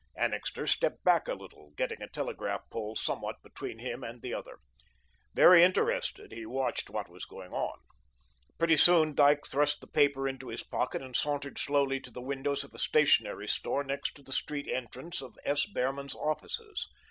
Annixter stepped back a little, getting a telegraph pole somewhat between him and the other. Very interested, he watched what was going on. Pretty soon Dyke thrust the paper into his pocket and sauntered slowly to the windows of a stationery store, next the street entrance of S. Behrman's offices.